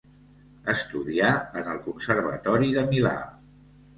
Estudià en el Conservatori de Milà.